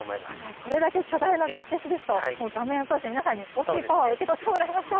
これだけ巨大なこけしですと、もう画面を通して皆さんに、大きいパワーを受け取ってもらいましょう。